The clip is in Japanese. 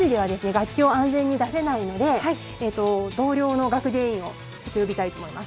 楽器を安全に出せないので同僚の学芸員をちょっと呼びたいと思います。